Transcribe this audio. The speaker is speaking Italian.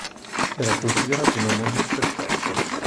Era considerato un uomo giusto e colto.